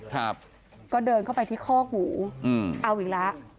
ครับก็เดินเข้าไปที่ข้อหูเอาอีกแล้ว